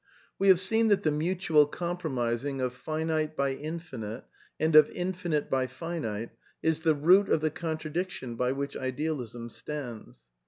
We have seen that the mutual compromising of finite by infinite and of infinite by finite is the root of the contradic tion by which Idealism stands.